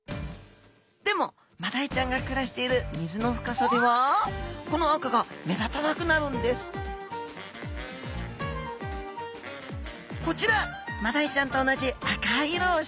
でもマダイちゃんが暮らしている水の深さではこの赤が目立たなくなるんですこちらマダイちゃんと同じ赤い色をしたエビスダイちゃん。